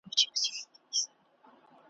د افغانستان، د دې سيمي